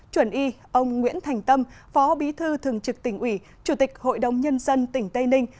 chuẩn y ông nguyễn thành tâm phó bí thư thường trực tỉnh ủy chủ tịch hội đồng nhân dân tỉnh tây ninh